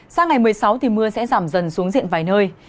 sang ngày một mươi sáu thì mưa sẽ giảm dần xuống diện vài nơi